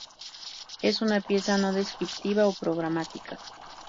Es una pieza no descriptiva o programática.